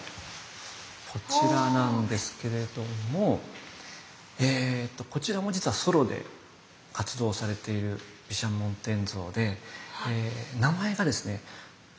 こちらなんですけれどもこちらも実はソロで活動されている毘沙門天像で名前がですね